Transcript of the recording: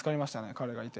彼がいて。